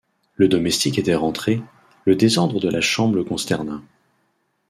Le domestique était entré, le désordre de la chambre le consterna.